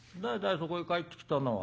そこへ帰ってきたのは。